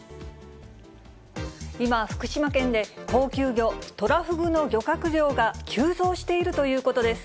今、福島県で高級魚、トラフグの漁獲量が急増しているということです。